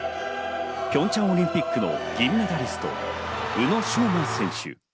ピョンチャンオリンピックの銀メダリスト、宇野昌磨選手。